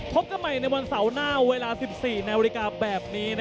พบกันใหม่ในวันเสาร์หน้าเวลา๑๔นาฬิกาแบบนี้